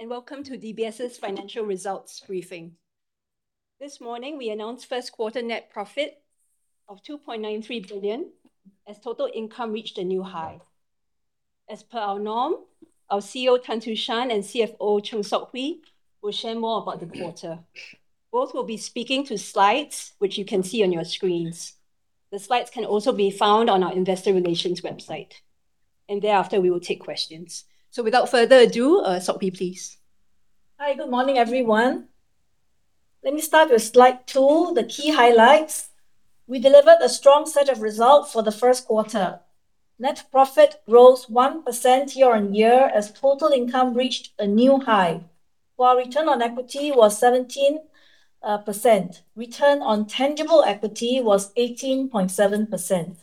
Morning, welcome to DBS's financial results briefing. This morning, we announced first quarter net profit of 2.93 billion, as total income reached a new high. As per our norm, our CEO Tan Su Shan and CFO Chng Sok Hui will share more about the quarter. Both will be speaking to slides which you can see on your screens. The slides can also be found on our investor relations website. Thereafter, we will take questions. Without further ado, Sok Hui, please. Hi, good morning, everyone. Let me start with slide two, the key highlights. We delivered a strong set of result for the first quarter. Net profit rose 1% year-on-year as total income reached a new high. While return on equity was 17%, return on tangible equity was 18.7%.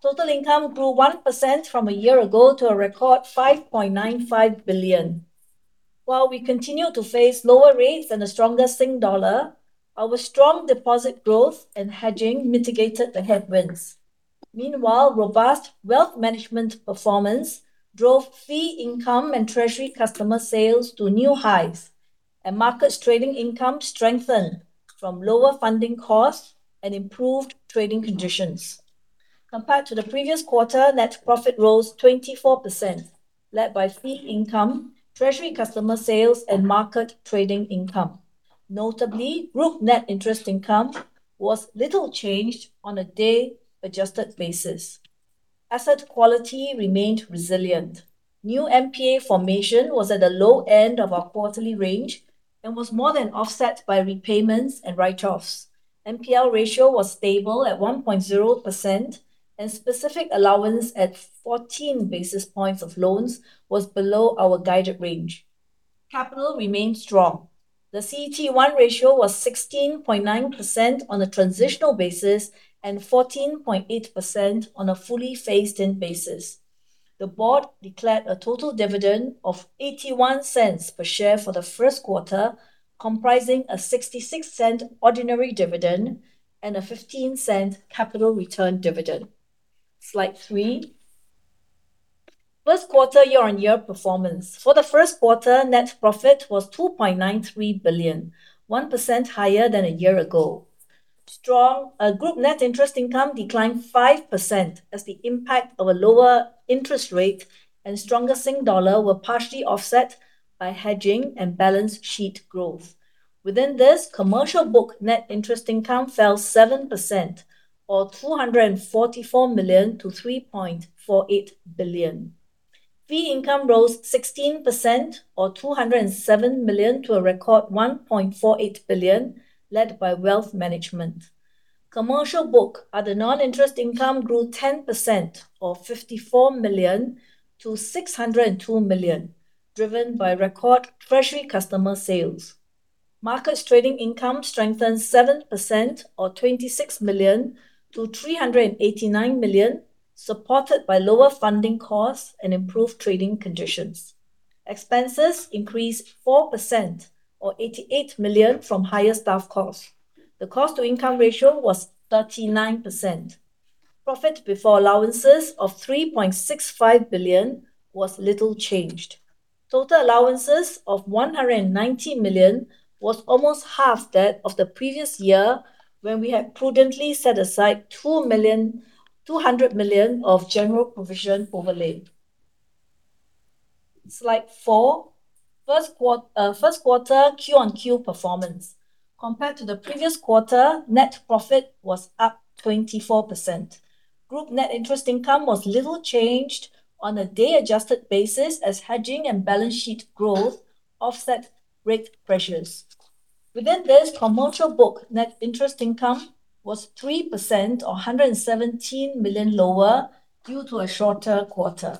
Total income grew 1% from a year ago to a record 5.95 billion. While we continue to face lower rates and a stronger Singapore dollar, our strong deposit growth and hedging mitigated the headwinds. Meanwhile, robust Wealth Management performance drove fee income and treasury customer sales to new highs, and markets trading income strengthened from lower funding costs and improved trading conditions. Compared to the previous quarter, net profit rose 24%, led by fee income, treasury customer sales, and markets trading income. Notably, group net interest income was little changed on a day-adjusted basis. Asset quality remained resilient. New NPA formation was at the low end of our quarterly range and was more than offset by repayments and write-offs. NPL ratio was stable at 1.0%, and specific allowance at 14 basis points of loans was below our guided range. Capital remained strong. The CET1 ratio was 16.9% on a transitional basis and 14.8% on a fully phased-in basis. The board declared a total dividend of 0.81 per share for the first quarter, comprising a 0.66 ordinary dividend and a 0.15 capital return dividend. Slide three, first quarter year-on-year performance. For the first quarter, net profit was 2.93 billion, 1% higher than a year ago. Strong group Net Interest Income declined 5% as the impact of a lower interest rate and stronger Singapore dollar were partially offset by hedging and balance sheet growth. Within this, commercial book net interest income fell 7%, or 244 million-3.48 billion. Fee income rose 16%, or 207 million, to a record 1.48 billion, led by Wealth Management. Commercial book, other non-interest income grew 10%, or 54 million-602 million, driven by record treasury customer sales. Markets trading income strengthened 7%, or 26 million-389 million, supported by lower funding costs and improved trading conditions. Expenses increased 4%, or 88 million, from higher staff costs. The Cost-to-income ratio was 39%. Profit before allowances of 3.65 billion was little changed. Total allowances of 190 million was almost half that of the previous year, when we had prudently set aside 2 million, 200 million of general provision overlay. Slide four. First quarter quarter-on-quarter performance. Compared to the previous quarter, net profit was up 24%. Group net interest income was little changed on a day-adjusted basis as hedging and balance sheet growth offset rate pressures. Within this, commercial book net interest income was 3% or 117 million lower due to a shorter quarter.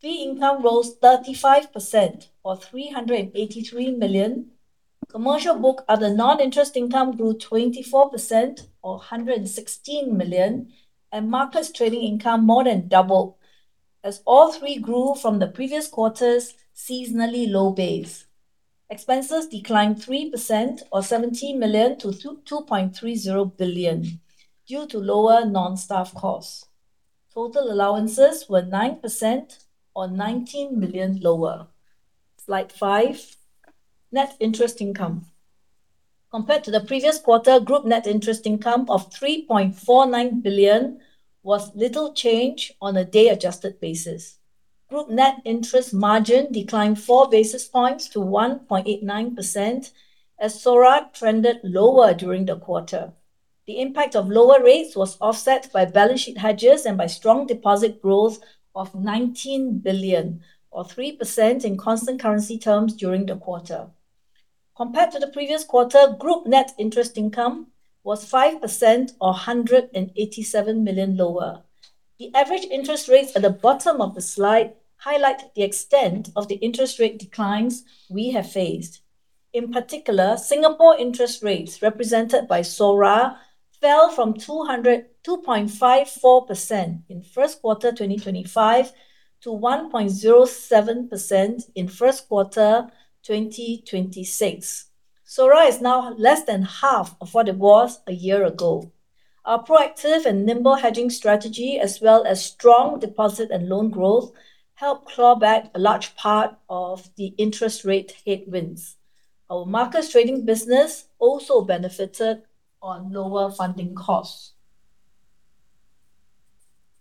Fee income rose 35%, or 383 million. Commercial book, other non-interest income grew 24%, or 116 million. Markets trading income more than doubled, as all three grew from the previous quarter's seasonally low base. Expenses declined 3%, or 17 million-2.30 billion due to lower non-staff costs. Total allowances were 9%, or 19 million lower. Slide five. Net interest income. Compared to the previous quarter, group net interest income of 3.49 billion was little change on a day-adjusted basis. Group net interest margin declined 4 basis points to 1.89% as SORA trended lower during the quarter. The impact of lower rates was offset by balance sheet hedges and by strong deposit growth of 19 billion, or 3% in constant currency terms during the quarter. Compared to the previous quarter, group net interest income was 5%, or 187 million lower. The average interest rates at the bottom of the slide highlight the extent of the interest rate declines we have faced. In particular, Singapore interest rates represented by SORA fell from 2.54% in first quarter 2025 to 1.07% in first quarter 2026. SORA is now less than half of what it was a year ago. Our proactive and nimble hedging strategy, as well as strong deposit and loan growth, helped claw back a large part of the interest rate headwinds. Our markets trading business also benefited on lower funding costs.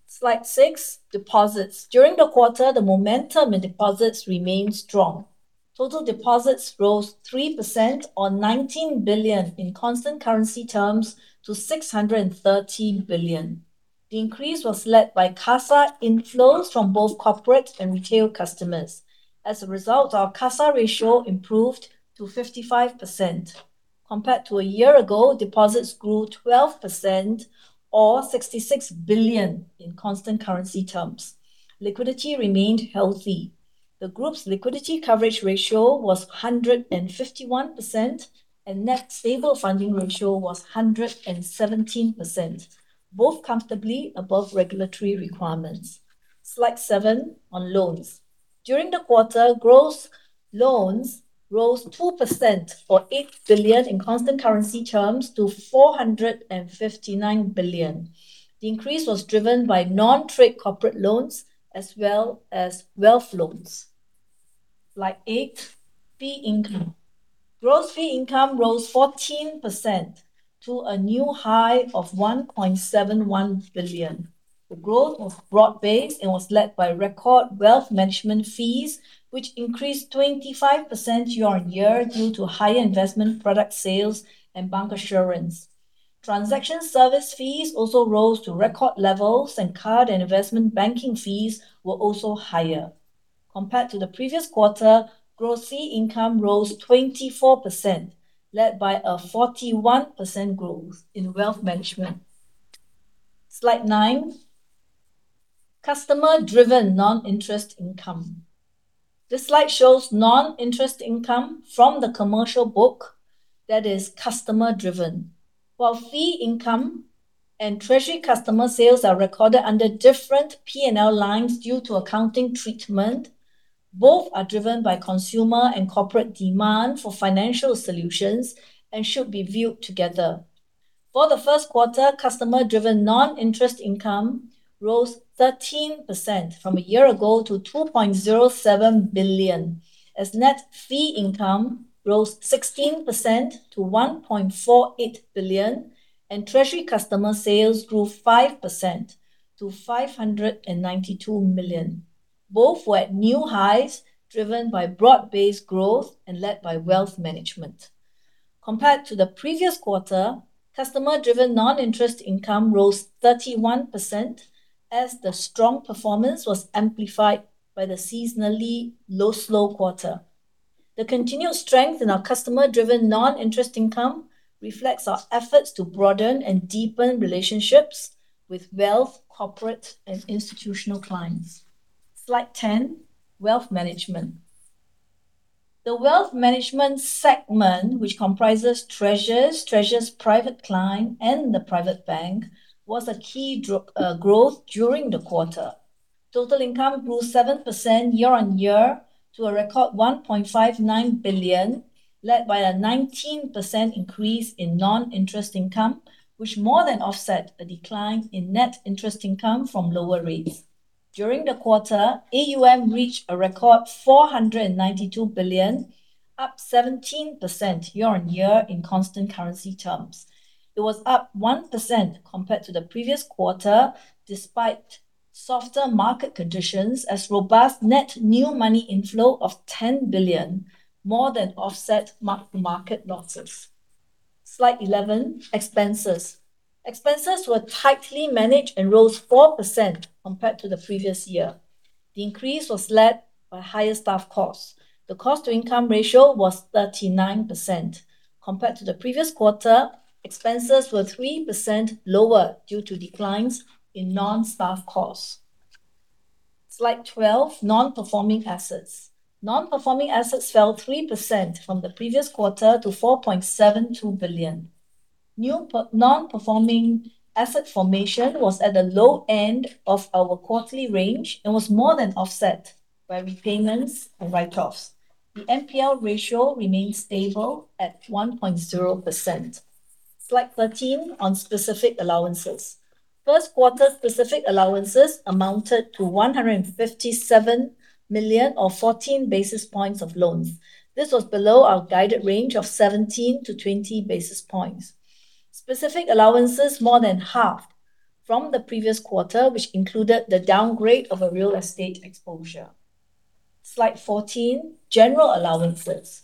Slide six, deposits. During the quarter, the momentum in deposits remained strong. Total deposits rose 3% on 19 billion in constant currency terms to 613 billion. The increase was led by CASA inflows from both corporate and retail customers. As a result, our CASA ratio improved to 55%. Compared to a year ago, deposits grew 12% or 66 billion in constant currency terms. Liquidity remained healthy. The group's Liquidity Coverage Ratio was 151%, and net stable funding Ratio was 117%, both comfortably above regulatory requirements. Slide seven on loans. During the quarter, gross loans rose 2% or 8 billion in constant currency terms to 459 billion. The increase was driven by non-trade corporate loans as well as wealth loans. Slide eight, fee income. Gross fee income rose 14% to a new high of 1.71 billion. The growth was broad-based and was led by record Wealth Management fees, which increased 25% year-on-year due to higher investment product sales and bancassurance. Transaction service fees also rose to record levels, card and investment banking fees were also higher. Compared to the previous quarter, gross fee income rose 24%, led by a 41% growth in Wealth Management. Slide nine, customer-driven non-interest income. This slide shows non-interest income from the commercial book that is customer-driven. While fee income and treasury customer sales are recorded under different P&L lines due to accounting treatment, both are driven by consumer and corporate demand for financial solutions and should be viewed together. For the first quarter, customer-driven non-interest income rose 13% from a year ago to 2.07 billion, as net fee income rose 16% to 1.48 billion, and treasury customer sales grew 5% to 592 million. Both were at new highs, driven by broad-based growth and led by Wealth Management. Compared to the previous quarter, customer-driven non-interest income rose 31% as the strong performance was amplified by the seasonally low slow quarter. The continued strength in our customer-driven non-interest income reflects our efforts to broaden and deepen relationships with wealth, corporate, and institutional clients. Slide 10, wealth management. The wealth management segment, which comprises DBS Treasures, DBS Treasures Private Client, and the DBS Private Bank, was a key growth during the quarter. Total income grew 7% year-on-year to a record 1.59 billion, led by a 19% increase in non-interest income, which more than offset a decline in Net Interest Income from lower rates. During the quarter, AUM reached a record 492 billion, up 17% year-on-year in constant currency terms. It was up 1% compared to the previous quarter despite softer market conditions as robust net new money inflow of 10 billion more than offset market losses. Slide 11, expenses. Expenses were tightly managed and rose 4% compared to the previous year. The increase was led by higher staff costs. The cost-to-Income ratio was 39%. Compared to the previous quarter, expenses were 3% lower due to declines in non-staff costs. Slide 12, Non-performing assets. Non-performing assets fell 3% from the previous quarter to 4.72 billion. New non-performing asset formation was at the low end of our quarterly range and was more than offset by repayments and write-offs. The NPL ratio remained stable at 1.0%. Slide 13 on specific allowances. First quarter specific allowances amounted to 157 million or 14 basis points of loans. This was below our guided range of 17 basis points-20 basis points. Specific allowances more than halved from the previous quarter, which included the downgrade of a real estate exposure. Slide 14, general allowances.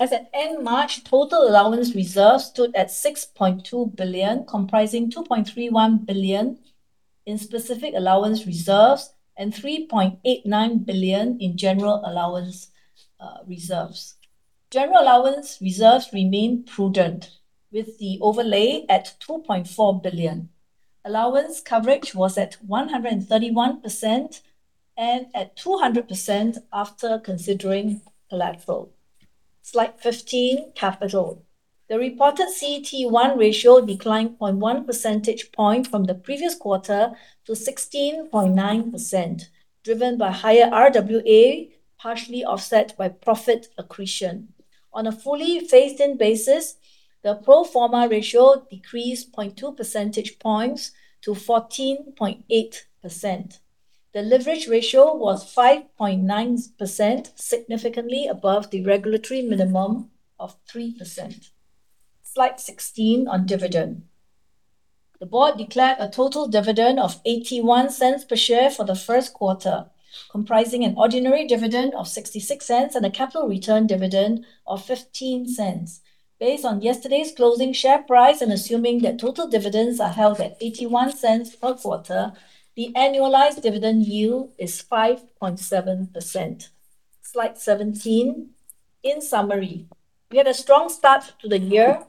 As at end March, total allowance reserves stood at 6.2 billion, comprising 2.31 billion in specific allowance reserves and 3.89 billion in general allowance reserves. General allowance reserves remained prudent, with the overlay at 2.4 billion. Allowance coverage was at 131% and at 200% after considering collateral. Slide 15, capital. The reported CET1 ratio declined 0.1 percentage point from the previous quarter to 16.9%, driven by higher RWA, partially offset by profit accretion. On a fully phased-in basis, the pro forma ratio decreased 0.2 percentage points to 14.8%. The leverage ratio was 5.9%, significantly above the regulatory minimum of 3%. Slide 16 on dividend. The board declared a total dividend of 0.81 per share for the first quarter, comprising an ordinary dividend of 0.66 and a capital return dividend of 0.15. Based on yesterday's closing share price and assuming that total dividends are held at 0.81 per quarter, the annualized dividend yield is 5.7%. Slide 17. In summary, we had a strong start to the year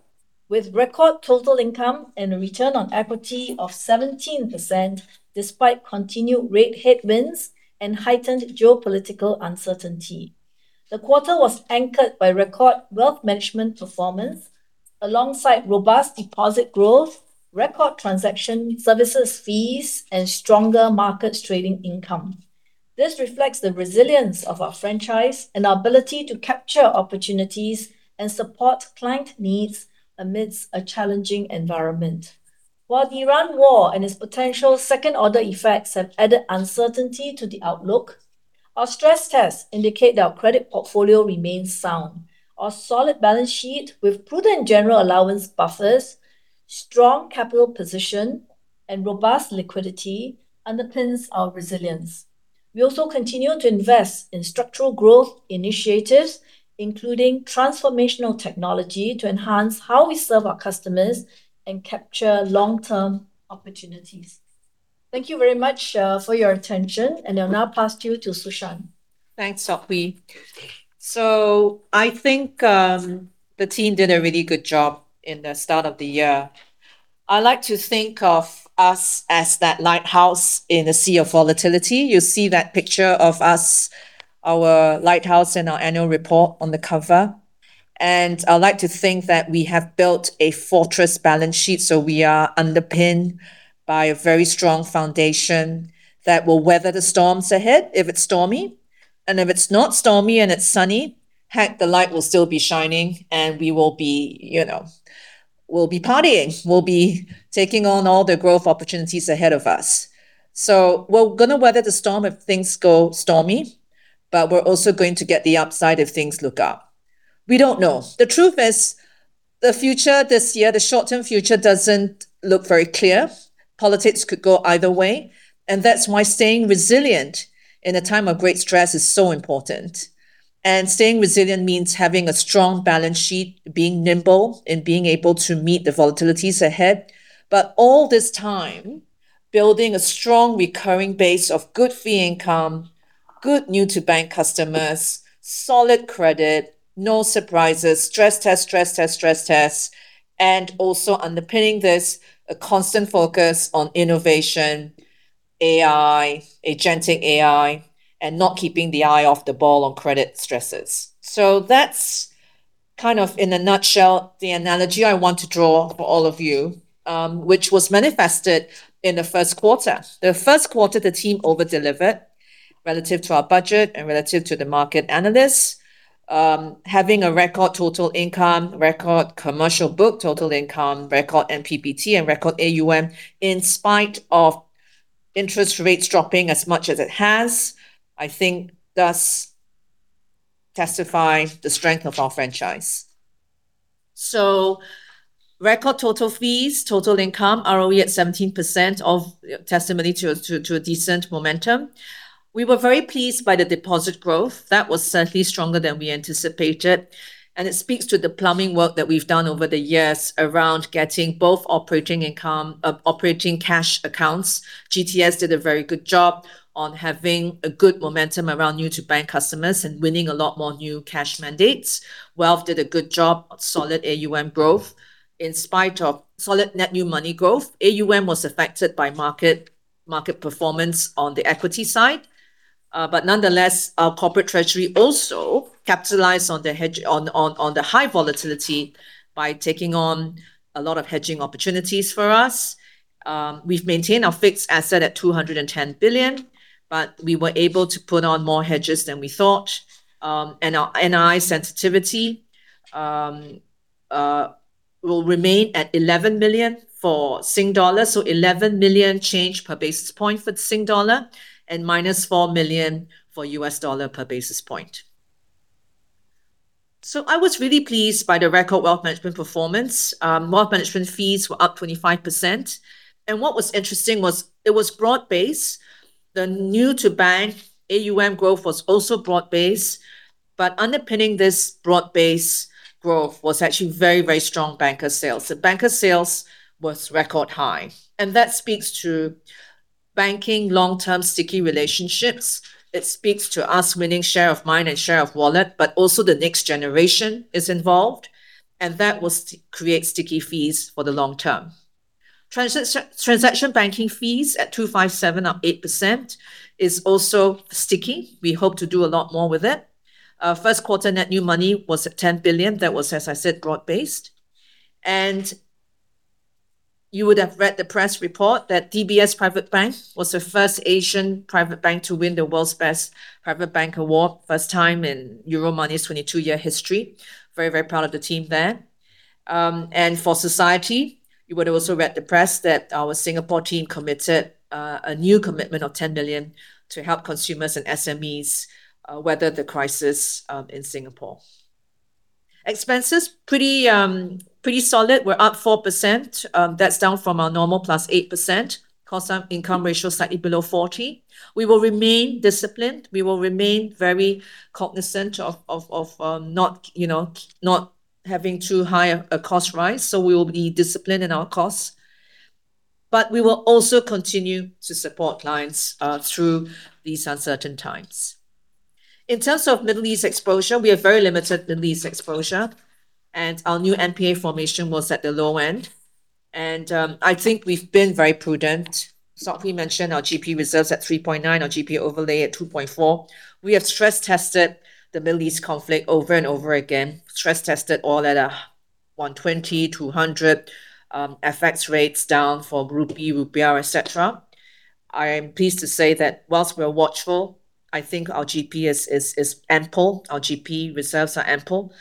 with record total income and a return on equity of 17%, despite continued rate headwinds and heightened geopolitical uncertainty. The quarter was anchored by record wealth management performance alongside robust deposit growth, record transaction services fees, and stronger markets trading income. This reflects the resilience of our franchise and our ability to capture opportunities and support client needs amidst a challenging environment. While the Iran war and its potential second-order effects have added uncertainty to the outlook, our stress tests indicate that our credit portfolio remains sound. Our solid balance sheet with prudent general allowance buffers, strong capital position, and robust liquidity underpins our resilience. We also continue to invest in structural growth initiatives, including transformational technology, to enhance how we serve our customers and capture long-term opportunities. Thank you very much for your attention, and I'll now pass you to Tan Su Shan. Thanks Sok Hui. I think the team did a really good job in the start of the year. I like to think of us as that lighthouse in a sea of volatility. You see that picture of us, our lighthouse in our annual report on the cover. I like to think that we have built a fortress balance sheet, we are underpinned by a very strong foundation that will weather the storms ahead if it's stormy. If it's not stormy and it's sunny, heck, the light will still be shining, and we will be, you know, we'll be partying. We'll be taking on all the growth opportunities ahead of us. We're gonna weather the storm if things go stormy, we're also going to get the upside if things look up. We don't know. The truth is, the future this year, the short-term future doesn't look very clear. Politics could go either way. That's why staying resilient in a time of great stress is so important. Staying resilient means having a strong balance sheet, being nimble, and being able to meet the volatilities ahead. All this time, building a strong recurring base of good fee income, good new to bank customers, solid credit, no surprises, stress test, stress test, stress tests, also underpinning this, a constant focus on innovation, AI, Agentic AI, not keeping the eye off the ball on credit stresses. That's kind of in a nutshell the analogy I want to draw for all of you, which was manifested in the first quarter. The first quarter, the team over-delivered relative to our budget and relative to the market analysts. Having a record total income, record commercial book total income, record NPAT, and record AUM in spite of interest rates dropping as much as it has, I think does testify the strength of our franchise. Record total fees, total income, ROE at 17% of testimony to a decent momentum. We were very pleased by the deposit growth. That was certainly stronger than we anticipated, and it speaks to the plumbing work that we've done over the years around getting both operating income, operating cash accounts. GTS did a very good job on having a good momentum around new to bank customers and winning a lot more new cash mandates. Wealth did a good job on solid AUM growth. In spite of solid net new money growth, AUM was affected by market performance on the equity side. Nonetheless, our corporate treasury also capitalized on the high volatility by taking on a lot of hedging opportunities for us. We've maintained our fixed asset at 210 billion, but we were able to put on more hedges than we thought. Our NI sensitivity will remain at 11 million for Sing Dollar, so 11 million change per basis point for the Sing Dollar and -$4 million for US dollar per basis point. I was really pleased by the record wealth management performance. Wealth Management fees were up 25%, and what was interesting was it was broad-based. The new to bank AUM growth was also broad-based, but underpinning this broad-based growth was actually very, very strong banker sales. The banker sales was record-high, and that speaks to banking long-term sticky relationships. It speaks to us winning share of mind and share of wallet, but also the next generation is involved, and that will create sticky fees for the long term. Transaction banking fees at 257, up 8%, is also sticky. We hope to do a lot more with it. First quarter net new money was at 10 billion. That was, as I said, broad based. You would have read the press report that DBS Private Bank was the first Asian private bank to win the World's Best Private Bank award, first time in Euromoney's 22-year history. Very proud of the team there. For society, you would have also read the press that our Singapore team committed a new commitment of 10 billion to help consumers and SMEs weather the crisis in Singapore. Expenses, pretty solid. We're up 4%. That's down from our normal +8%. Cost-to-income ratio slightly below 40. We will remain disciplined. We will remain very cognizant of, not, you know, not having too high a cost rise. We will be disciplined in our costs. We will also continue to support clients through these uncertain times. In terms of Middle East exposure, we have very limited Middle East exposure, and our new NPA formation was at the low end. I think we've been very prudent. Sok Hui mentioned our GP reserves at 3.9, our GP overlay at 2.4. We have stress-tested the Middle East conflict over and over again. Stress-tested all at 120, 200 FX rates down for group B, rupiah, et cetera. I am pleased to say that whilst we are watchful, I think our GP is ample, our GP reserves are ample,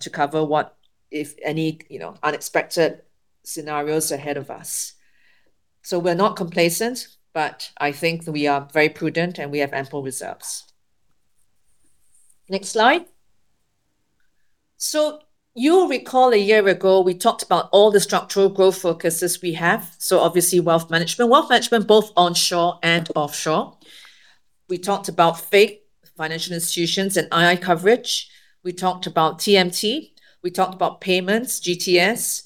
to cover what, if any, you know, unexpected scenarios ahead of us. We're not complacent, but I think we are very prudent, and we have ample reserves. Next slide. So, you'll recall a year ago, we talked about all the structural growth focuses we have. Obviously, wealth management. Wealth management both onshore and offshore. We talked about FICC, financial institutions, and IBG coverage. We talked about TMT. We talked about payments, GTS.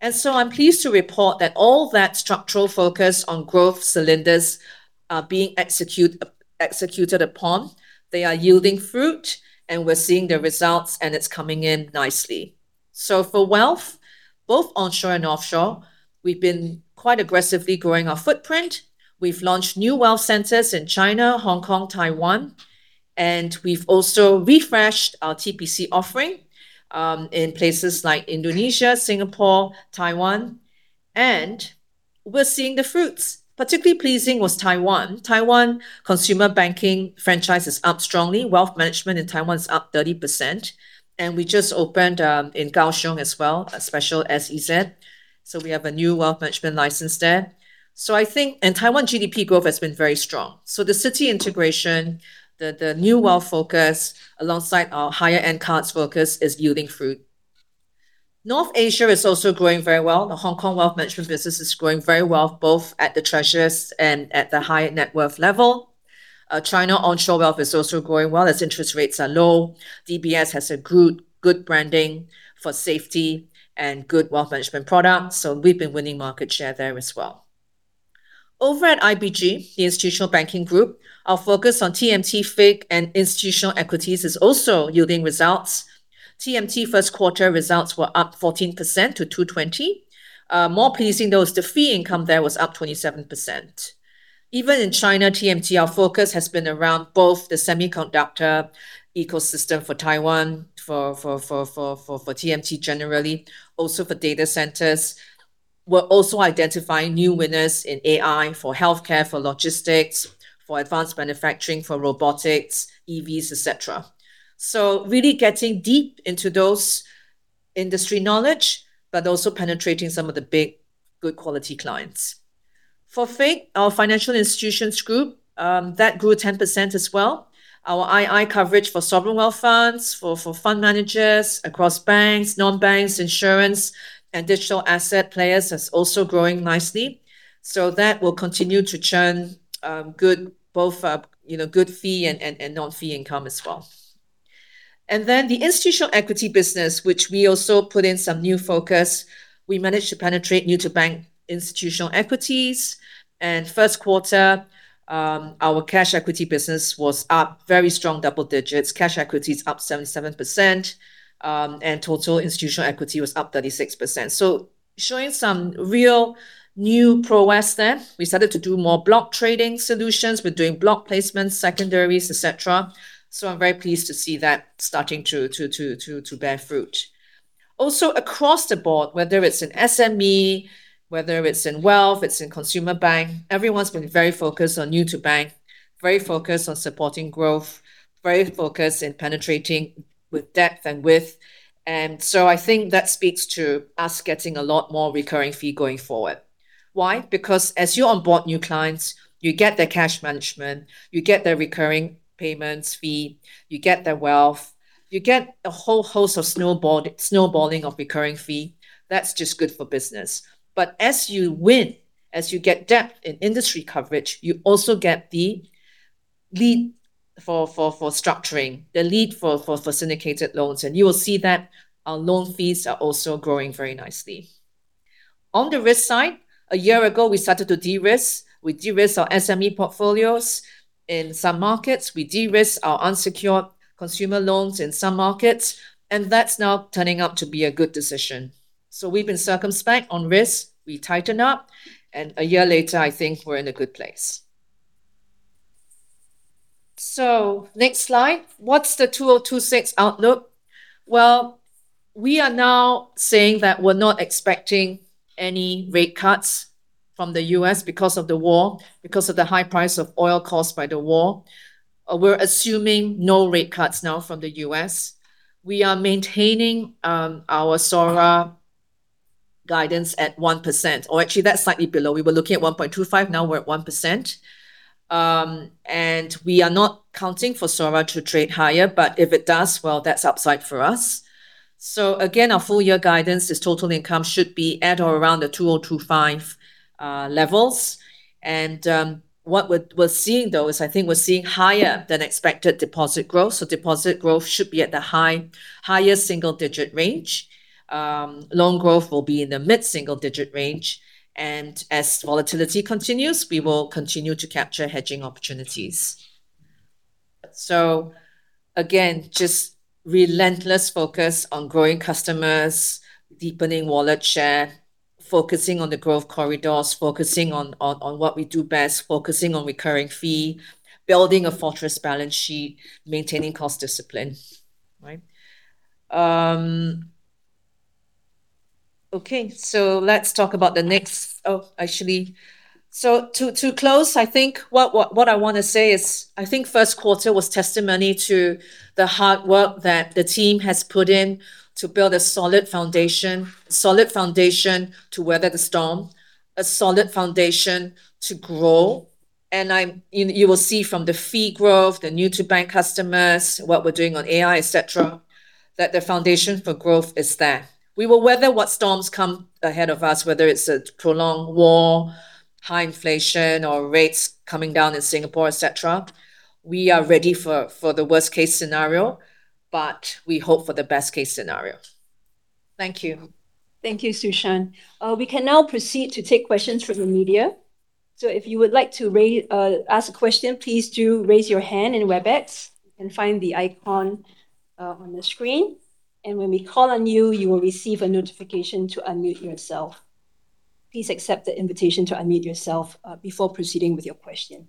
I'm pleased to report that all that structural focus on growth cylinders are being executed upon. They are yielding fruit, and we're seeing the results, and it's coming in nicely. For Wealth, both onshore and offshore, we've been quite aggressively growing our footprint. We’ve launched new wealth centers in China, Hong Kong, Taiwan, and we’ve also refreshed our TPC offering in places like Indonesia, Singapore, Taiwan, and we’re seeing the fruits. Particularly pleasing was Taiwan. Taiwan consumer banking franchise is up strongly. Wealth management in Taiwan is up 30%. We just opened in Kaohsiung as well, a special SEZ, so we have a new wealth management license there. Taiwan GDP growth has been very strong. The Citi integration, the new wealth focus alongside our higher-end cards focus is yielding fruit. North Asia is also growing very well. The Hong Kong wealth management business is growing very well, both at the DBS Treasures and at the high net worth level. China onshore wealth is also growing well as interest rates are low. DBS has a good branding for safety and good wealth management products, so we've been winning market share there as well. Over at IBG, the Institutional Banking Group, our focus on TMT, FICC, and institutional equities is also yielding results. TMT first quarter results were up 14% to 220. More pleasing though is the fee income there was up 27%. Even in China TMT, our focus has been around both the semiconductor ecosystem for Taiwan, for TMT generally, also for data centers. We're also identifying new winners in AI for healthcare, for logistics, for advanced manufacturing, for robotics, EVs, et cetera. Really getting deep into those industry knowledge but also penetrating some of the big, good quality clients. For FICC, our financial institutions group, that grew 10% as well. Our II coverage for sovereign wealth funds, for fund managers across banks, non-banks, insurance, and digital asset players is also growing nicely. That will continue to churn, good both, you know, good fee and non-fee income as well. Then the institutional equity business, which we also put in some new focus, we managed to penetrate new to bank institutional equities. First quarter, our cash equity business was up very strong double digits. Cash equities up 77%, and total institutional equity was up 36%. Showing some real new prowess there. We started to do more block trading solutions. We're doing block placements, secondaries, et cetera. I'm very pleased to see that starting to bear fruit. Across the board, whether it's in SME, whether it's in wealth, it's in consumer bank, everyone's been very focused on new to bank, very focused on supporting growth, very focused in penetrating with depth and width. I think that speaks to us getting a lot more recurring fee going forward. Why? Because as you onboard new clients, you get their cash management, you get their recurring payments fee, you get their wealth, you get a whole host of snowballing of recurring fee. That's just good for business. As you win, as you get depth in industry coverage, you also get the lead for structuring, the lead for syndicated loans. You will see that our loan fees are also growing very nicely. On the risk side, a year ago, we started to de-risk. We de-risked our SME portfolios in some markets. We de-risked our unsecured consumer loans in some markets, and that's now turning out to be a good decision. We've been circumspect on risk. We tighten up, and a year later, I think we're in a good place. So, next slide. What's the 2026 outlook? Well, we are now saying that we're not expecting any rate cuts from the U.S. because of the war, because of the high price of oil caused by the war. We're assuming no rate cuts now from the U.S. We are maintaining our SORA guidance at 1%, or actually that's slightly below. We were looking at 1.25%, now we're at 1%. We are not counting for SORA to trade higher, but if it does, well, that's upside for us. Again, our full year guidance is total income should be at or around the 2025 levels. What we're seeing though is I think we're seeing higher than expected deposit growth. Deposit growth should be at the higher single digit range. Loan growth will be in the mid-single digit range. As volatility continues, we will continue to capture hedging opportunities. Again, just relentless focus on growing customers, deepening wallet share, focusing on the growth corridors, focusing on what we do best, focusing on recurring fee, building a fortress balance sheet, maintaining cost discipline. Right. Okay, let's talk about the next. Actually, to close, I think what I wanna say is I think first quarter was testimony to the hard work that the team has put in to build a solid foundation to weather the storm, a solid foundation to grow. You will see from the fee growth, the new to bank customers, what we're doing on AI, et cetera, that the foundation for growth is there. We will weather what storms come ahead of us, whether it's a prolonged war, high inflation or rates coming down in Singapore, et cetera. We are ready for the worst case scenario, but we hope for the best case scenario. Thank you. Thank you, Su Shan. We can now proceed to take questions from the media. If you would like to ask a question, please do raise your hand in WebEx. You can find the icon on the screen. When we call on you will receive a notification to unmute yourself. Please accept the invitation to unmute yourself before proceeding with your question.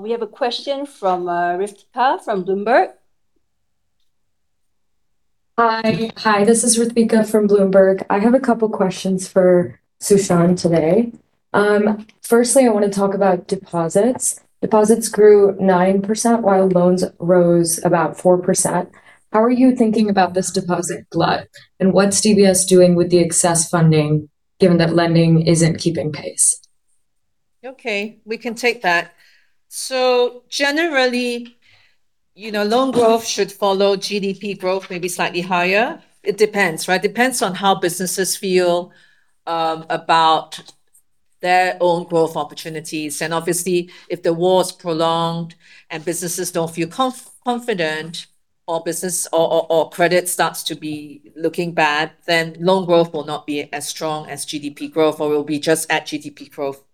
We have a question from Ritika from Bloomberg. Hi. Hi, this is Ritika from Bloomberg. I have a couple questions for Su Shan today. Firstly, I wanna talk about deposits. Deposits grew 9% while loans rose about 4%. How are you thinking about this deposit glut, and what's DBS doing with the excess funding given that lending isn't keeping pace? Okay, we can take that. Generally, you know, loan growth should follow GDP growth, maybe slightly higher. It depends, right? Depends on how businesses feel about their own growth opportunities. Obviously if the war is prolonged and businesses don't feel confident or credit starts to be looking bad, then loan growth will not be as strong as GDP growth or will be just at GDP growth.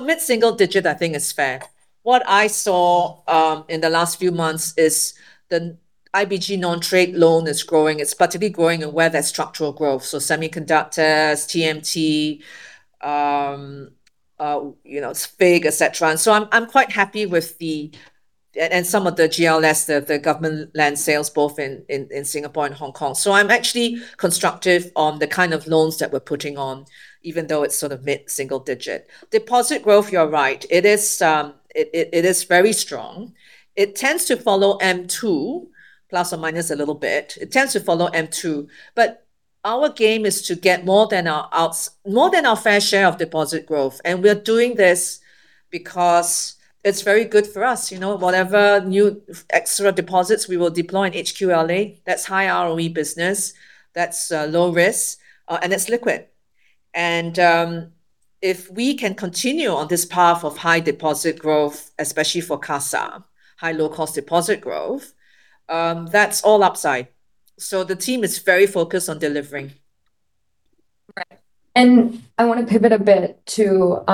Mid-single digit I think is fair. What I saw in the last few months is the IBG non-trade loan is growing. It's particularly growing in where there's structural growth, so semiconductors, TMT, you know, SPIG, et cetera. I'm quite happy with some of the GLS, the government land sales both in Singapore and Hong Kong. I'm actually constructive on the kind of loans that we're putting on, even though it's sort of mid-single digit. Deposit growth, you're right, it is very strong. It tends to follow M2 plus or minus a little bit. It tends to follow M2, but our game is to get more than our fair share of deposit growth. We are doing this because it's very good for us. You know, whatever new extra deposits we will deploy in HQLA, that's high ROE business, that's low risk, and it's liquid. If we can continue on this path of high deposit growth, especially for CASA, high low cost deposit growth, that's all upside. The team is very focused on delivering. Right. I want to pivot a bit to,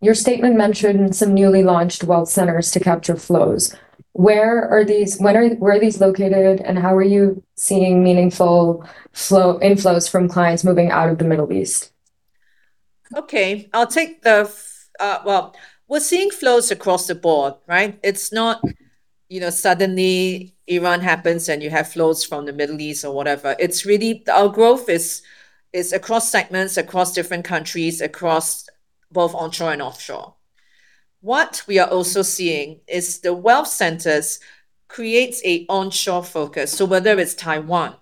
your statement mentioned some newly launched wealth centers to capture flows. Where are these, where are these located, and how are you seeing meaningful inflows from clients moving out of the Middle East? Okay, I'll take the well, we're seeing flows across the board, right? It's not, you know, suddenly Iran happens and you have flows from the Middle East or whatever. It's really our growth is across segments, across different countries, across both onshore and offshore. What we are also seeing is the wealth centers creates a onshore focus. Whether it's Taiwan,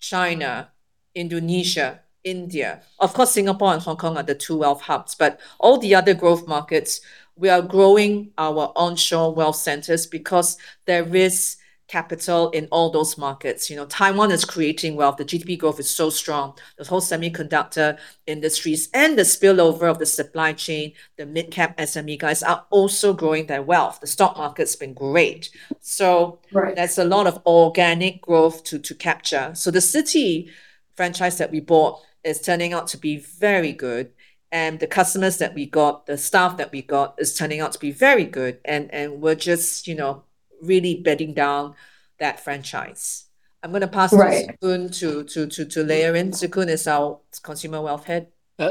China, Indonesia, India, of course, Singapore and Hong Kong are the two wealth hubs, but all the other growth markets, we are growing our onshore wealth centers because there is capital in all those markets. You know, Taiwan is creating wealth. The GDP growth is so strong. The whole semiconductor industries and the spillover of the supply chain, the mid-cap SME guys are also growing their wealth. The stock market's been great. There's a lot of organic growth to capture. The Citi franchise that we bought is turning out to be very good. The customers that we got, the staff that we got, is turning out to be very good and we're just, you know, really bedding down that franchise. I'm gonna pass this. Right.... to Shee Tse Koon. Shee Tse Koon is our consumer wealth head.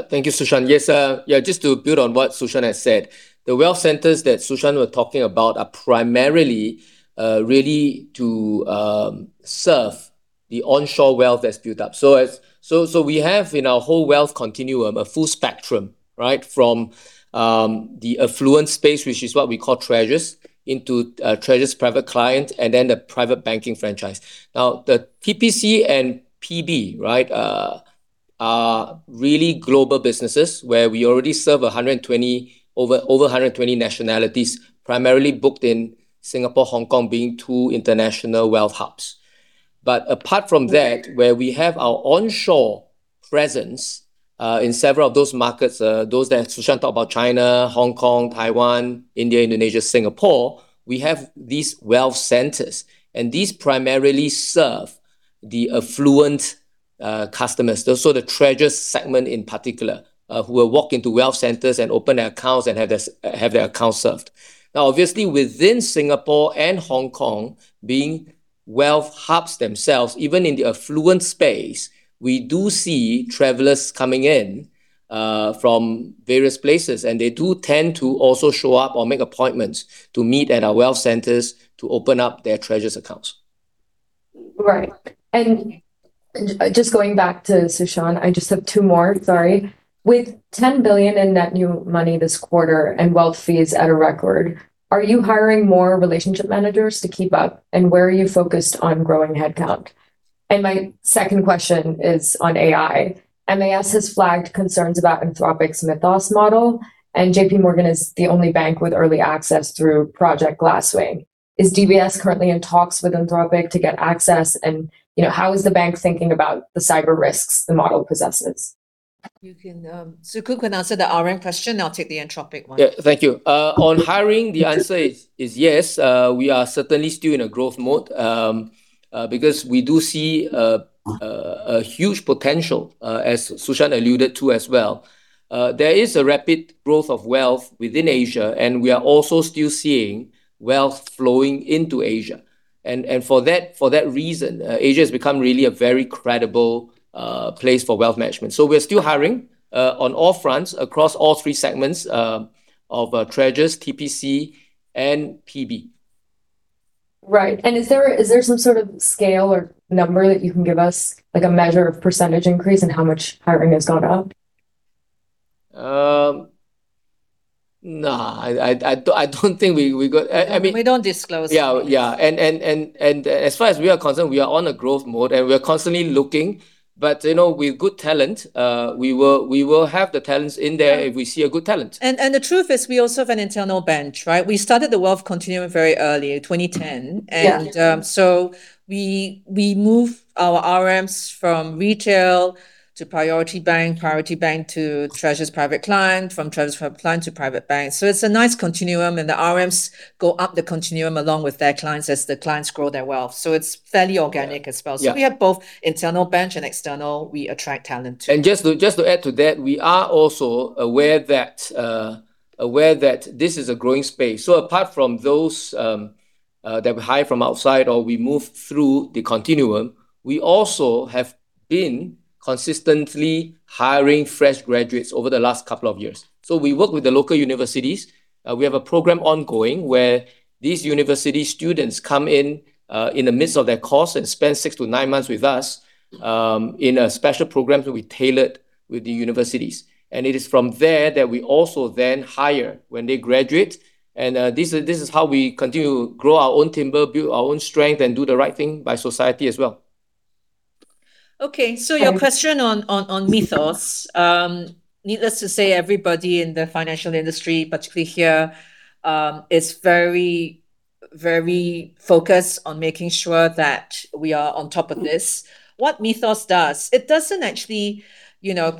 Thank you, Su Shan. Yes, just to build on what Su Shan has said, the wealth centers that Su Shan was talking about are primarily really to serve the onshore wealth that's built up. We have in our whole wealth continuum a full spectrum, right? From the affluent space, which is what we call DBS Treasures, into DBS Treasures Private Client, and then the DBS Private Bank franchise. The DBS Treasures Private Client and DBS Private Bank, right, are really global businesses where we already serve 120, over 120 nationalities, primarily booked in Singapore, Hong Kong being two international wealth hubs. Apart from that, where we have our onshore presence in several of those markets, those that Su Shan talked about, China, Hong Kong, Taiwan, India, Indonesia, Singapore, we have these wealth centers, and these primarily serve the affluent customers. Those the Treasures segment in particular, who will walk into wealth centers and open their accounts and have their accounts served. Now, obviously within Singapore and Hong Kong being wealth hubs themselves, even in the affluent space, we do see travelers coming in from various places, and they do tend to also show up or make appointments to meet at our wealth centers to open up their Treasures accounts. Right. Just going back to Su Shan, I just have two more, sorry. With 10 billion in net new money this quarter and wealth fees at a record, are you hiring more relationship managers to keep up? Where are you focused on growing headcount? My second question is on AI. MAS has flagged concerns about Anthropic's Mythos model, and JPMorgan is the only bank with early access through Project Glasswing. Is DBS currently in talks with Anthropic to get access? You know, how is the bank thinking about the cyber risks the model possesses? Shee Tse Koon can answer the RM question, I'll take the Anthropic one. Yeah. Thank you. On hiring, the answer is yes, we are certainly still in a growth mode because we do see a huge potential as Su Shan alluded to as well. There is a rapid growth of wealth within Asia, and we are also still seeing wealth flowing into Asia. For that reason, Asia has become really a very credible place for wealth management. We're still hiring on all fronts across all three segments of Treasures, TPC and PB. Right. Is there some sort of scale or number that you can give us, like a measure of percentage increase in how much hiring has gone up? No, I don't think we go. We don't disclose that. Yeah, yeah. As far as we are concerned, we are on a growth mode, and we are constantly looking. You know, with good talent, we will have the talents in there if we see a good talent. The truth is we also have an internal bench, right? We started the wealth continuum very early, in 2010. Yeah. We move our RMs from retail to Priority Bank, Priority Bank to DBS Treasures Private Client, from DBS Treasures Private Client to Private Bank. It's a nice continuum, and the RMs go up the continuum along with their clients as the clients grow their wealth. It's fairly organic as well. Yeah. We have both internal bench and external, we attract talent too. Just to add to that, we are also aware that this is a growing space. Apart from those that we hire from outside or we move through the continuum, we also have been consistently hiring fresh graduates over the last couple of years. We work with the local universities. We have a program ongoing where these university students come in in the midst of their course and spend 6months-9 months with us in a special program that we tailored with the universities. It is from there that we also then hire when they graduate. This is how we continue to grow our own timber, build our own strength, and do the right thing by society as well. Okay. Your question on Mythos, needless to say, everybody in the financial industry, particularly here, is very, very focused on making sure that we are on top of this. What Mythos does, it doesn't actually, you know,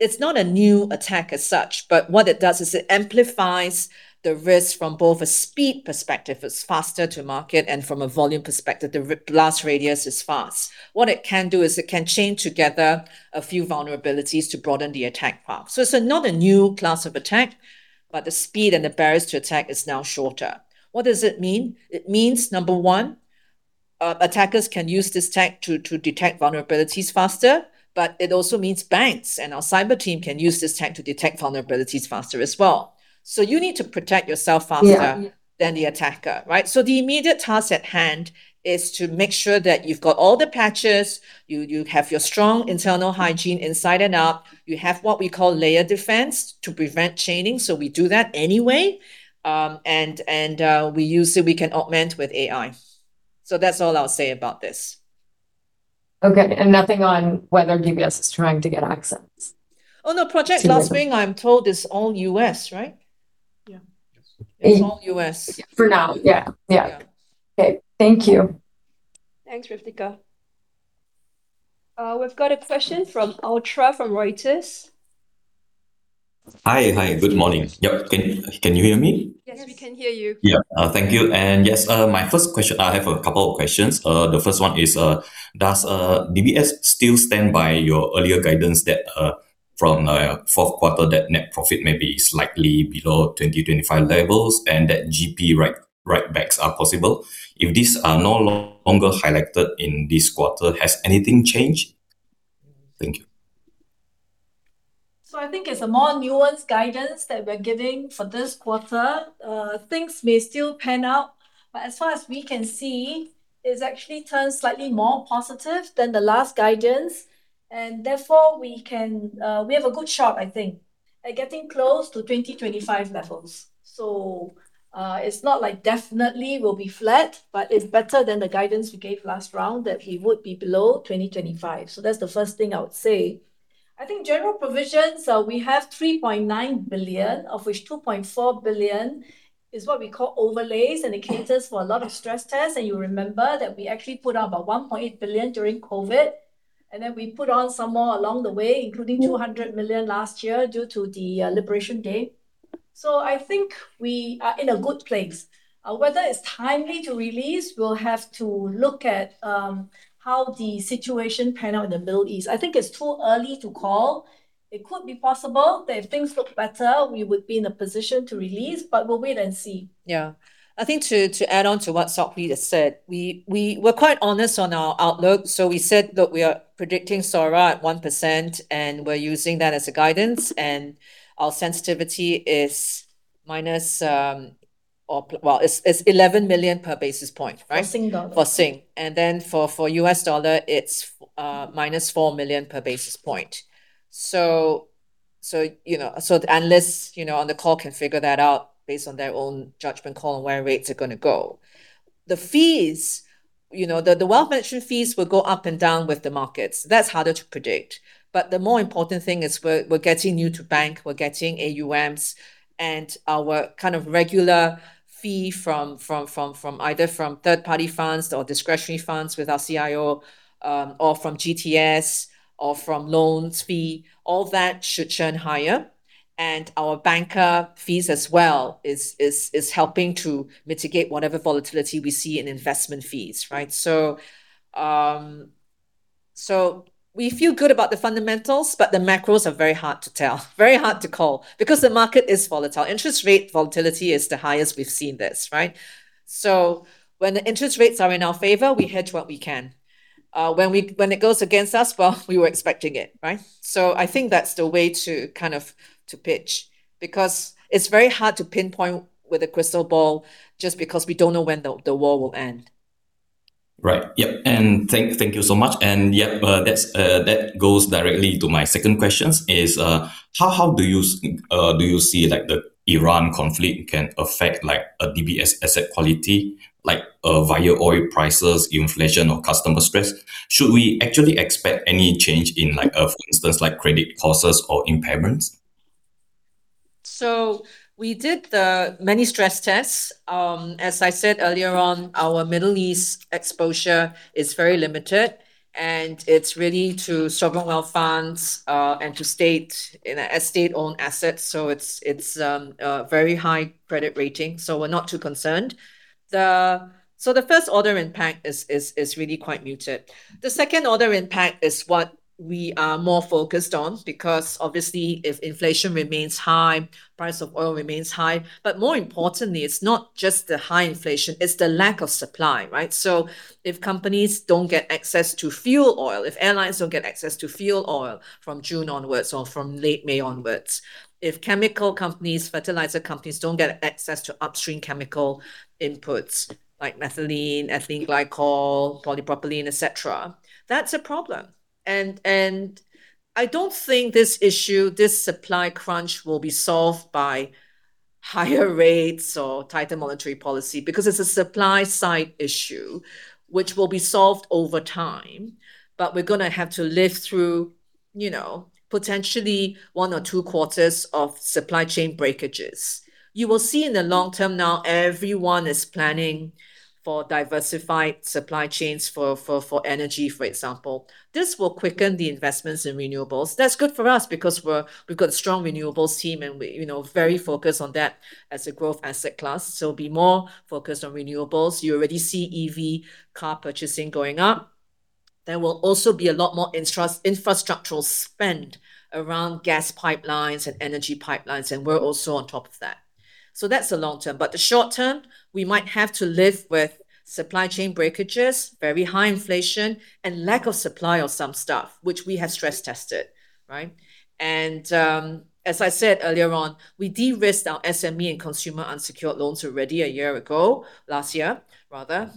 it's not a new attack as such, but what it does is it amplifies the risk from both a speed perspective, it's faster to market, and from a volume perspective, the blast radius is fast. What it can do is it can chain together a few vulnerabilities to broaden the attack path. It's not a new class of attack, but the speed and the barriers to attack is now shorter. What does it mean? It means, number one, attackers can use this tech to detect vulnerabilities faster, but it also means banks and our cyber team can use this tech to detect vulnerabilities faster as well. You need to protect yourself faster. Yeah Than the attacker, right? The immediate task at hand is to make sure that you've got all the patches, you have your strong internal hygiene inside and out, you have what we call layer defense to prevent chaining, we do that anyway. We use it, we can augment with AI. That's all I'll say about this. Okay. Nothing on whether DBS is trying to get access? Oh, no, Project Glasswing I'm told is all U.S., right? Yeah. Yes. It's all U.S. For now, yeah. Yeah. Yeah. Okay. Thank you. Thanks, Ritika. We've got a question from Yantoultra Ngui from Reuters. Hi. Hi. Good morning. Yep. Can you hear me? Yes, we can hear you. Thank you. Yes, my first question, I have a couple of questions. The first one is, does DBS still stand by your earlier guidance that from Q4 that net profit may be slightly below 2025 levels and that GP write-backs are possible. If these are no longer highlighted in this quarter, has anything changed? I think it's a more nuanced guidance that we're giving for this quarter. Things may still pan out, but as far as we can see, it's actually turned slightly more positive than the last guidance, and therefore we have a good shot, I think, at getting close to 2025 levels. It's not like definitely will be flat, but it's better than the guidance we gave last round that it would be below 2025. That's the first thing I would say. I think general provisions, we have 3.9 billion, of which 2.4 billion is what we call overlays, and it caters for a lot of stress tests. You remember that we actually put up a 1.8 billion during COVID, then we put on some more along the way, including 200 million last year due to the Liberation Day. I think we are in a good place. Whether it's timely to release, we'll have to look at how the situation pan out in the Middle East. I think it's too early to call. It could be possible that if things look better, we would be in a position to release, we'll wait and see. Yeah. I think to add on to what Sok Hui has said, we were quite honest on our outlook. We said that we are predicting SORA at 1%, and we're using that as a guidance. Our sensitivity is Well, it's 11 million per basis point, right? For Singapore dollar. For Sing. For US dollar, it's -$4 million per basis point. You know, the analysts, you know, on the call can figure that out based on their own judgment call on where rates are gonna go. The fees, you know, the wealth management fees will go up and down with the markets. That's harder to predict. The more important thing is we're getting new to bank, we're getting AUMs, and our kind of regular fee from either from third-party funds or discretionary funds with our CIO, or from GTS or from loans fee, all that should churn higher. Our banker fees as well is helping to mitigate whatever volatility we see in investment fees, right? We feel good about the fundamentals, but the macros are very hard to tell, very hard to call because the market is volatile. Interest rate volatility is the highest we've seen this, right? When the interest rates are in our favor, we hedge what we can. When it goes against us, well, we were expecting it, right? I think that's the way to kind of to pitch because it's very hard to pinpoint with a crystal ball just because we don't know when the war will end. Right. Yep, thank you so much. Yeah, that's that goes directly to my second questions, is how do you see, like, the Iran conflict can affect, like, DBS asset quality, like, via oil prices, inflation or customer stress? Should we actually expect any change in, like, for instance, like credit costs or impairments? We did the many stress tests. As I said earlier on, our Middle East exposure is very limited, and it's really to sovereign wealth funds, and to state and estate-owned assets. It's a very high credit rating, so we're not too concerned. The first order impact is really quite muted. The second order impact is what we are more focused on because obviously if inflation remains high, price of oil remains high. More importantly, it's not just the high inflation, it's the lack of supply, right? If companies don't get access to fuel oil, if airlines don't get access to fuel oil from June onwards or from late May onwards, if chemical companies, fertilizer companies don't get access to upstream chemical inputs like methylene, ethylene glycol, polypropylene, et cetera, that's a problem. I don't think this issue, this supply crunch will be solved by higher rates or tighter monetary policy because it's a supply side issue which will be solved over time. We're going to have to live through, you know, potentially one or two quarters of supply chain breakages. You will see in the long term now everyone is planning for diversified supply chains for energy, for example. This will quicken the investments in renewables. That's good for us because we've got a strong renewables team, and we're, you know, very focused on that as a growth asset class. Be more focused on renewables. You already see EV car purchasing going up. There will also be a lot more infrastructural spend around gas pipelines and energy pipelines, and we're also on top of that. That's the long term. The short term, we might have to live with supply chain breakages, very high inflation and lack of supply of some stuff which we have stress tested, right. As I said earlier on, we de-risked our SME and consumer unsecured loans already a year ago, last year rather.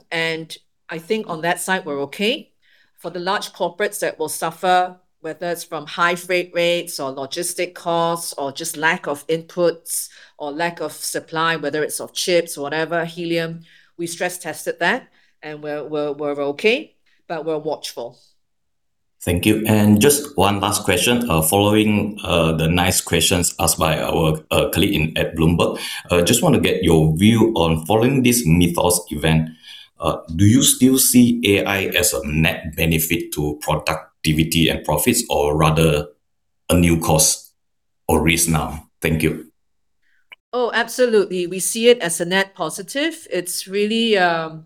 I think on that side we're okay. For the large corporates that will suffer, whether it's from high freight rates or logistic costs or just lack of inputs or lack of supply, whether it's of chips, whatever, helium, we stress tested that and we're okay, but we're watchful. Just one last question, following the nice questions asked by our colleague at Bloomberg. Just want to get your view on following this Mythos event, do you still see AI as a net benefit to productivity and profits or rather a new cost or risk now? Thank you. Absolutely. We see it as a net positive. It's really, you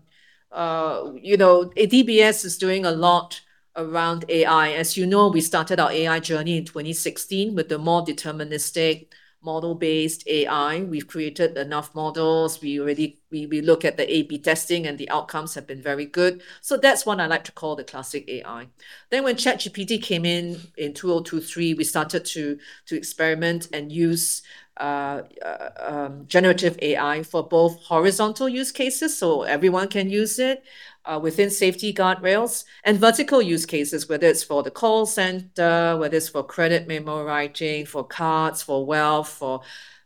know, DBS is doing a lot around AI. As you know, we started our AI journey in 2016 with the more deterministic model-based AI. We've created enough models. We already look at the AB testing, and the outcomes have been very good. That's one I like to call the classic AI. When ChatGPT came in in 2023, we started to experiment and use generative AI for both horizontal use cases, so everyone can use it within safety guardrails, and vertical use cases, whether it's for the call center, whether it's for credit memo writing, for cards, for wealth, for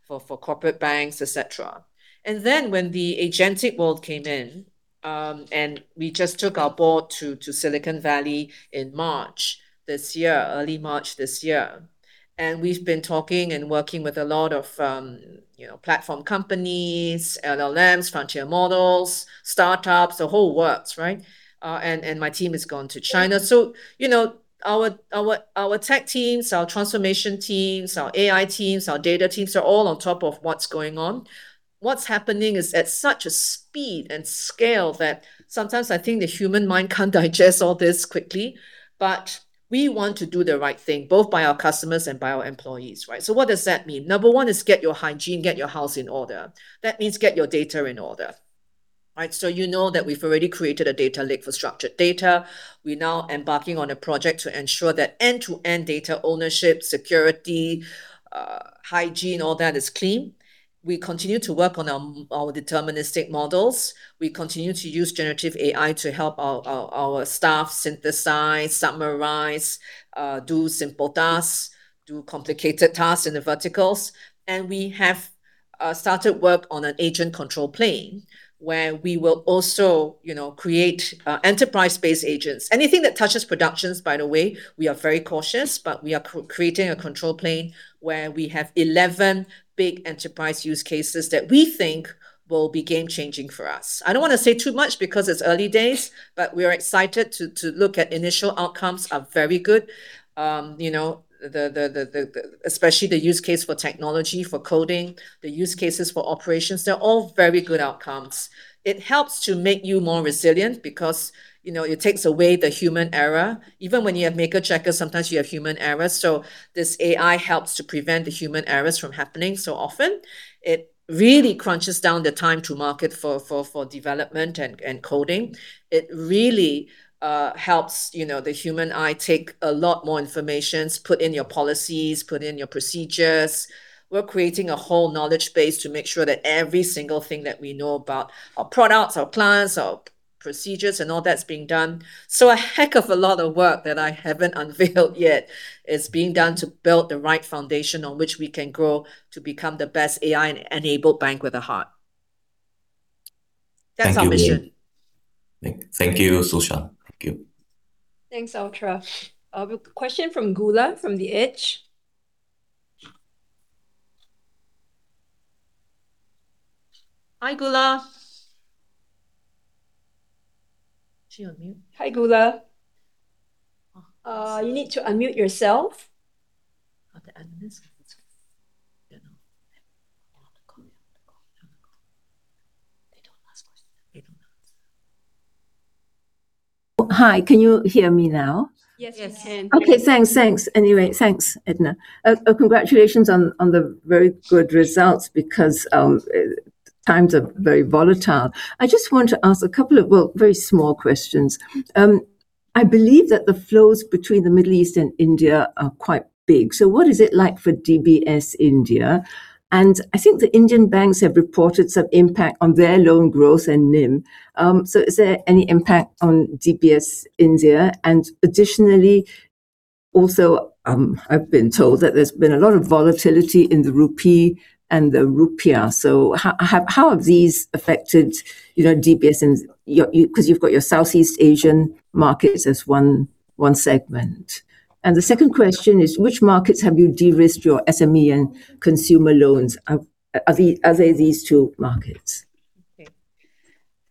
corporate banks, et cetera. When the Agentic world came in, and we just took our board to Silicon Valley in March this year, early March this year, and we've been talking and working with a lot of, you know, platform companies, LLMs, frontier models, startups, the whole works, right? My team has gone to China. You know, our tech teams, our transformation teams, our AI teams, our data teams are all on top of what's going on. What's happening is at such a speed and scale that sometimes I think the human mind can't digest all this quickly, but we want to do the right thing, both by our customers and by our employees, right? What does that mean? Number one is get your hygiene, get your house in order. That means get your data in order, right? You know that we've already created a data lake for structured data. We're now embarking on a project to ensure that end-to-end data ownership, security, hygiene, all that is clean. We continue to work on our deterministic models. We continue to use generative AI to help our staff synthesize, summarize, do simple tasks, do complicated tasks in the verticals. We have started work on an agent control plane where we will also, you know, create enterprise-based agents. Anything that touches productions, by the way, we are very cautious, but we are creating a control plane where we have 11 big enterprise use cases that we think will be game-changing for us. I don't want to say too much because it's early days, but we are excited to look at initial outcomes are very good. You know, the especially the use case for technology, for coding, the use cases for operations, they're all very good outcomes. It helps to make you more resilient because, you know, it takes away the human error. Even when you have maker-checker, sometimes you have human error, so this AI helps to prevent the human errors from happening so often. It really crunches down the time to market for development and coding. It really helps, you know, the human eye take a lot more information, put in your policies, put in your procedures. We're creating a whole knowledge base to make sure that every single thing that we know about our products, our plans, our procedures and all that's being done. A heck of a lot of work that I haven't unveiled yet is being done to build the right foundation on which we can grow to become the best AI enabled bank with a heart. That's our mission. Thank you. Thank you, Su Shan. Thank you. Thanks, Ultra. We have a question from Goola from The Edge. Hi, Goola. Is she on mute? Hi, Goola. Oh. You need to unmute yourself. How to unmute? I don't know. You have to call. You have to call. You have to call. They don't ask questions. They don't ask. Hi, can you hear me now? Yes. Yes, we can. Okay, thanks. Thanks anyway. Thanks, Edna. Congratulations on the very good results because times are very volatile. I just want to ask a couple of, well, very small questions. I believe that the flows between the Middle East and India are quite big. What is it like for DBS India? I think the Indian banks have reported some impact on their loan growth and NIM. Is there any impact on DBS India? I've been told that there's been a lot of volatility in the rupee and the rupiah. How have these affected DBS and because you've got your Southeast Asian markets as one segment. The second question is, which markets have you de-risked your SME and consumer loans? Are they these two markets?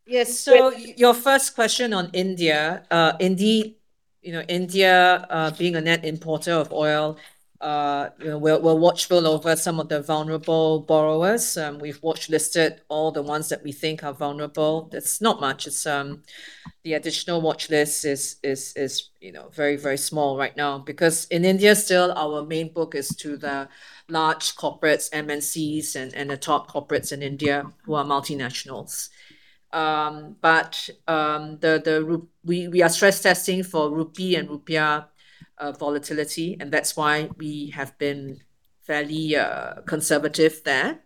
Your first question on India, indeed, you know, India, being a net importer of oil, you know, we're watchful over some of the vulnerable borrowers. We've watchlist all the ones that we think are vulnerable. It's not much. It's the additional watchlist is, you know, very, very small right now because in India still our main book is to the large corporates, MNCs and the top corporates in India who are multinationals. We are stress testing for rupee and rupiah volatility, and that's why we have been fairly conservative there.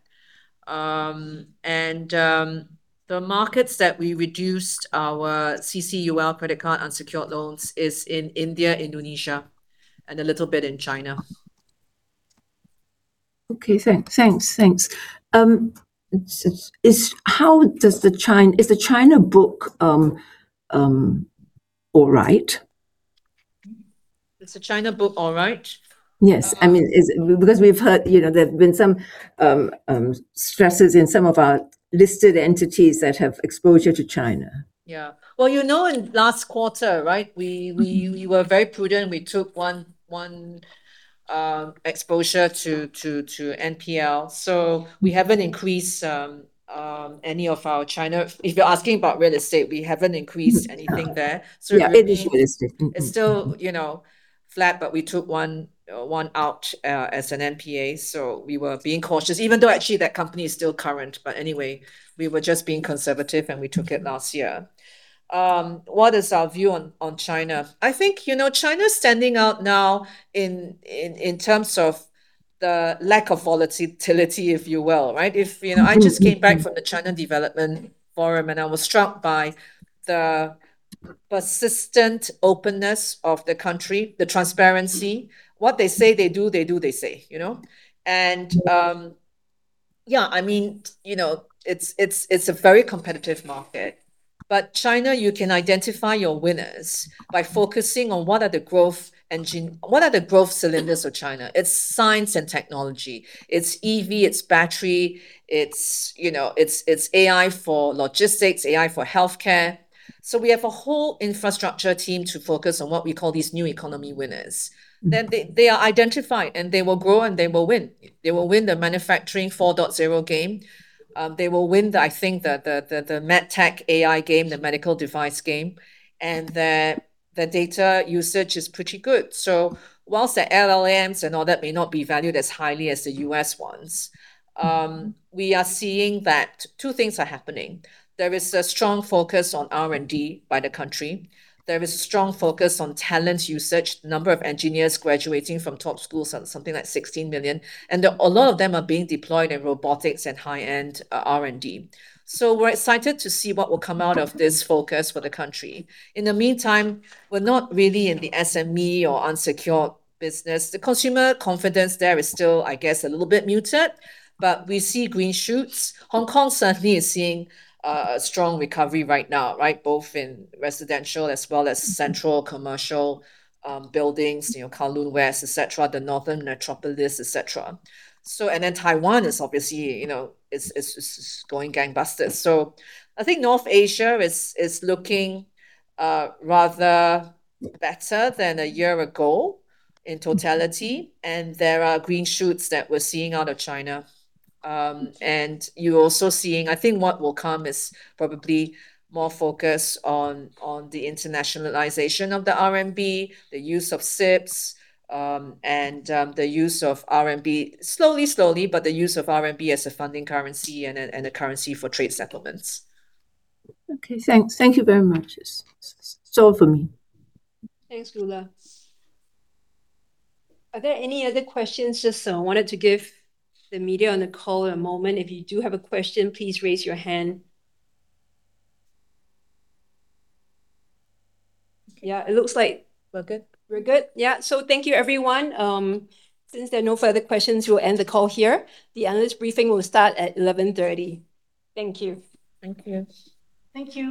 The markets that we reduced our CCUL credit card unsecured loans is in India, Indonesia, and a little bit in China. Okay. Thanks. Is the China book, all right? Is the China book all right? Yes. I mean, we've heard, you know, there's been some stresses in some of our listed entities that have exposure to China. Well, you know in last quarter, right, we were very prudent. We took one exposure to NPL. We haven't increased any of our China. If you're asking about real estate, we haven't increased anything there. Yeah, real estate. Mm-hmm, mm-hmm. Really it's still, you know, flat, but we took one out as an NPA, so we were being cautious. Even though actually that company is still current, but anyway, we were just being conservative, and we took it last year. What is our view on China? I think, you know, China's standing out now in terms of the lack of volatility, if you will, right? You know, I just came back from the China Development Forum, and I was struck by the persistent openness of the country, the transparency. What they say they do, they do, they say, you know? Yeah, I mean, you know, it's a very competitive market. China, you can identify your winners by focusing on what are the growth engine, what are the growth cylinders of China? It's science and technology. It's EV, it's battery, it's, you know, it's AI for logistics, AI for healthcare. We have a whole infrastructure team to focus on what we call these new economy winners. They are identified, and they will grow, and they will win. They will win the manufacturing 4.0 game. They will win the, I think, the med tech AI game, the medical device game. The data usage is pretty good. Whilst the LLMs and all that may not be valued as highly as the U.S. ones, we are seeing that two things are happening. There is a strong focus on R&D by the country. There is a strong focus on talent usage. The number of engineers graduating from top schools is something like 16 million, and a lot of them are being deployed in robotics and high-end R&D. We're excited to see what will come out of this focus for the country. In the meantime, we're not really in the SME or unsecured business. The consumer confidence there is still, I guess, a little bit muted, but we see green shoots. Hong Kong certainly is seeing a strong recovery right now, right? Both in residential as well as central commercial buildings, you know, Kowloon West, et cetera, the Northern Metropolis, et cetera. Taiwan is obviously, you know, it's going gangbusters. I think North Asia is looking rather better than a year ago in totality, and there are green shoots that we're seeing out of China. You're also seeing. I think what will come is probably more focus on the internationalization of the RMB, the use of CIPS, and the use of RMB as a funding currency and a currency for trade settlement Okay, thanks. Thank you very much. That is all for me. Thanks, Goola. Are there any other questions? I wanted to give the media on the call a moment. If you do have a question, please raise your hand. We're good. We're good? Yeah. Thank you everyone. Since there are no further questions, we will end the call here. The analyst briefing will start at 11:30 A.M. Thank you. Thank you. Thank you.